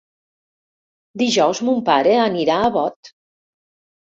Dijous mon pare anirà a Bot.